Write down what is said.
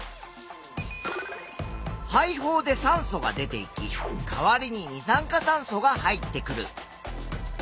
肺胞で酸素が出ていきかわりに二酸化炭素が入ってくる。